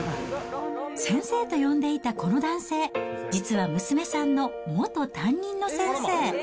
先生と呼んでいたこの男性、実は、娘さんの元担任の先生。